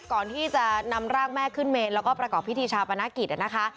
ก่อนที่จะนำร่างแม่ขึ้นเมนแล้วก็ประกอบพิธีชาปนกิจนะคะ